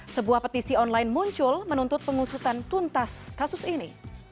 sebuah petisi online muncul menuntut pengusutan tuntas kasus ini